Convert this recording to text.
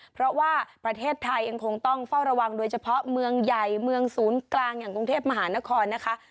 เพราะว่าประเทศไทยยังคงต้องเฝ้าระวังโดยเฉพาะเมืองใหญ่เมืองศูนย์กลางอย่างกรุงเทพมหานครนะคะ